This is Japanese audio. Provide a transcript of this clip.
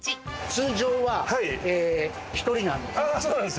通常は１人なんです。